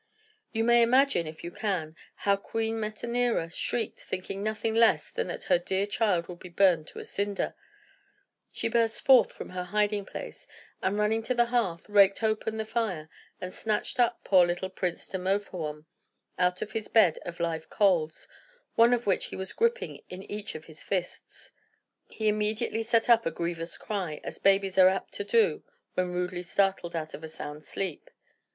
You may imagine, if you can, how Queen Metanira shrieked, thinking nothing less than that her dear child would be burned to a cinder. She burst forth from her hiding place, and running to the hearth, raked open the fire, and snatched up poor little Prince Demophoön out of his bed of live coals, one of which he was griping in each of his fists. He immediately set up a grievous cry, as babies are apt to do when rudely startled out of a sound sleep.